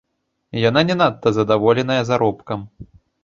Яна не надта задаволеная заробкам.